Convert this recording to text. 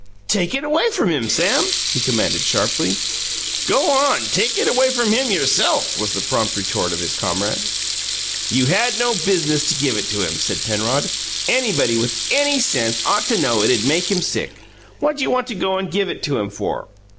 "Take it away from him, Sam!" he commanded sharply. "Go on, take it away from him yourself!" was the prompt retort of his comrade. "You had no biz'nuss to give it to him," said Penrod. "Anybody with any sense ought to know it'd make him sick. What'd you want to go and give it to him for?"